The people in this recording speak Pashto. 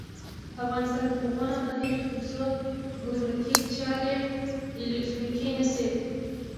افغانستان تر هغو نه ابادیږي، ترڅو ګمرکي چارې الکترونیکي نشي.